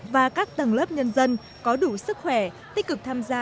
và các tầng lớp nhân dân có đủ sức khỏe tích cực tham gia